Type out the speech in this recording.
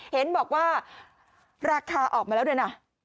เห็นบอกว่าราคาออกมาแล้วด้วยนะ